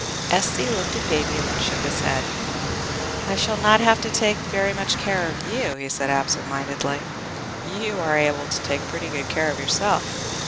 S.C. looked at Baby and then shook his head. "I shall not have to take very much care of you," he said, absent mindedly. "You are able to take pretty good care of yourself."